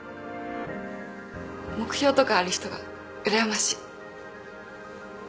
目標とかある人がうらやましい。